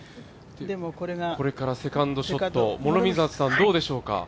これからセカンドショット、どうでしょうか。